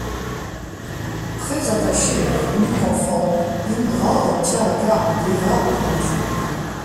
Très attachée à leur unique enfant, Indra obtient la garde d'Eva devant les tribunaux.